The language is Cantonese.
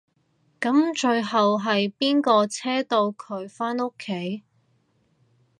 噉最後係邊個車到佢返屋企？